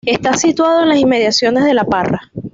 Está situado en las inmediaciones de La Parra.